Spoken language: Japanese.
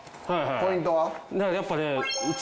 ポイント。